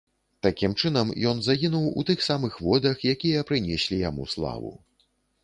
Такім чынам, ён загінуў у тых самых водах, якія прынеслі яму славу.